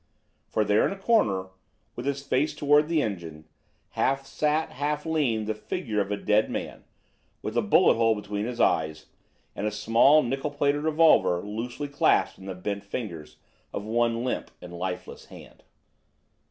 For there in a corner, with his face toward the engine, half sat, half leaned, the figure of a dead man, with a bullet hole between his eyes, and a small, nickel plated revolver loosely clasped in the bent fingers of one limp and lifeless hand.